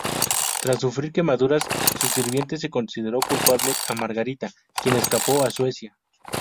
Tras sufrir quemaduras su sirviente, se consideró culpable a Margarita, quien escapó a Suecia.